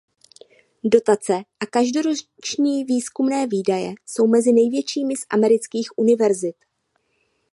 Dotace a každoroční výzkumné výdaje jsou mezi největšími z amerických univerzit.